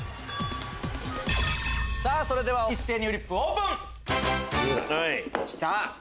それでは一斉にフリップオープン！